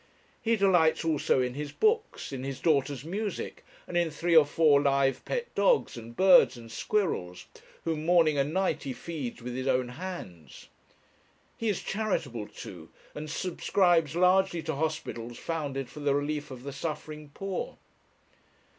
He delights also in his books, in his daughters' music, and in three or four live pet dogs, and birds, and squirrels, whom morning and night he feeds with his own hands. He is charitable, too, and subscribes largely to hospitals founded for the relief of the suffering poor.